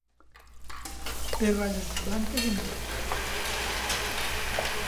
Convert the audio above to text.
Té ratlles blanques i negres.